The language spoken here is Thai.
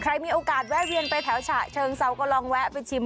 ใครมีโอกาสแวะเวียนไปแถวฉะเชิงเซาก็ลองแวะไปชิม